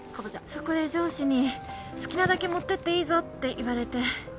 そこで上司に好きなだけ持ってっていいぞって言われて。